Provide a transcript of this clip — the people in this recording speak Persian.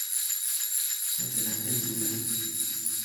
متنعم بودن